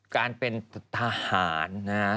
การเป็นทหารนะ